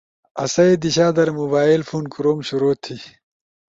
آسئی دیشا در موبائل فون کوروم شروع تھئی۔